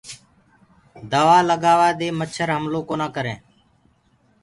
دوآ لگآوآ دي مڇر هملو ڪونآ ڪرينٚ۔